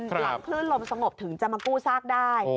ภัยขึ้นล้มสงบถึงจะมากู้ซากได้